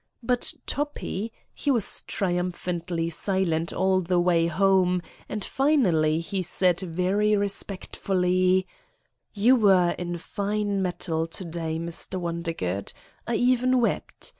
But Toppi he was trium phantly silent all the way home and finally he said very respectfully: "You were in fine mettle io day, Mr. Wonder good. I even wept.